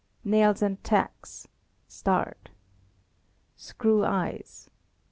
*Nails and tacks. Screw eyes